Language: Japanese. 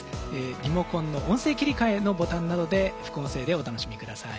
リモコンの音声切り替えのボタンなどで副音声でお楽しみ下さい。